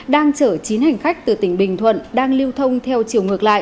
đang chở chín hành khách từ tỉnh bình thuận đang liêu thông theo chiều